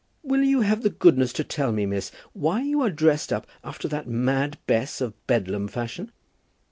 "Will you have the goodness to tell me, miss, why you are dressed up after that Mad Bess of Bedlam fashion?"